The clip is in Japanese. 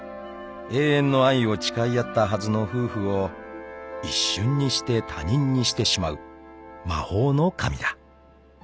［永遠の愛を誓い合ったはずの夫婦を一瞬にして他人にしてしまう魔法の紙だ］